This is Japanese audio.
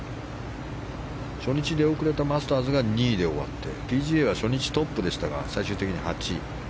初日、出遅れたマスターズが２位で終わってＰＧＡは初日トップでしたが最終的に８位。